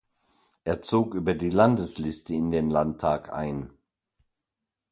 Er zog über die Landesliste in den Landtag ein.